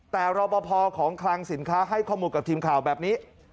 แต่รอปภของคลังสินค้าให้ข้อมูลกับทีมข่าวแบบนี้